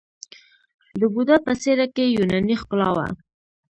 د بودا په څیره کې یوناني ښکلا وه